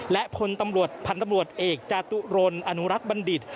และพลตำรวจพันธ์ตำรวจเอกจาตุรนอนุรักษ์บัณฑิต